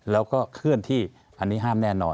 แล้วก็เคลื่อนที่อันนี้ห้ามแน่นอน